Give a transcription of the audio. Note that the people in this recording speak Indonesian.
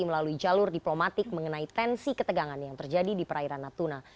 melalui jalur diplomatik mengenai tensi ketegangan yang terjadi di perairan natuna